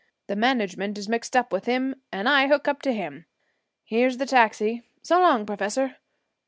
The management is mixed up with him and I hook up to him. Here's the taxi. So long, professor.